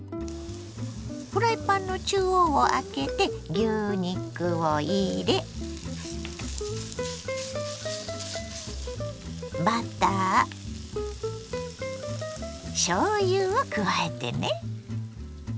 フライパンの中央をあけて牛肉を入れバターしょうゆを加えてね。